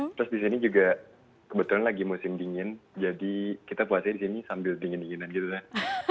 terus di sini juga kebetulan lagi musim dingin jadi kita puasanya di sini sambil dingin dinginan gitu kan